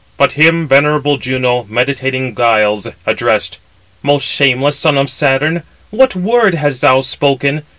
But him venerable Juno, meditating guiles, addressed: "Most shameless son of Saturn, what word hast thou spoken?